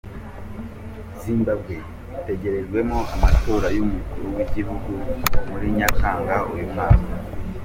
Zimbabwe itegerejwemo amatora y’Umukuru w’Igihugu muri Nyakanga uyu mwaka.